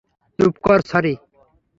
চুপ করো, সরি।